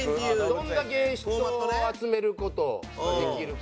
どれだけ人を集める事ができるか。